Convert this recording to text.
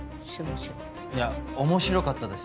いや面白かったです